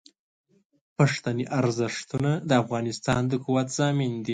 پښتني ارزښتونه د افغانستان د قوت ضامن دي.